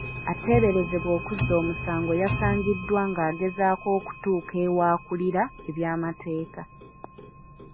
Ateeberezebwa okuzza omusango yasangiddwa ng'agezaako okutuuka ew'akulira eby'amateeka